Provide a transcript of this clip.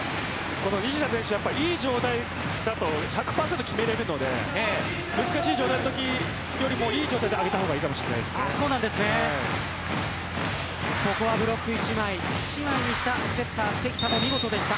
西田選手、いい状態だと１００％決められるので難しい状態よりもいい状態で上げたほうがここはブロック１枚１枚にしたセッター関田も見事でした。